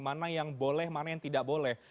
mana yang boleh mana yang tidak boleh